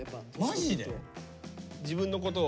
マジで？